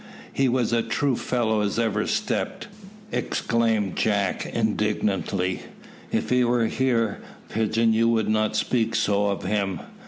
"He was as true a fellow as ever stepped!" exclaimed Jack indignantly. "If he were here, Pigeon, you would not speak so of him."